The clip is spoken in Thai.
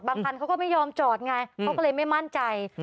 คันเขาก็ไม่ยอมจอดไงเขาก็เลยไม่มั่นใจ